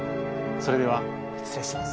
それでは失礼します。